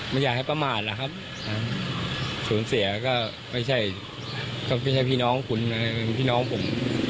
ไม่อยากให้ประมาทศูนย์เสียไปใช่พี่น้องคุณพี่น้องผม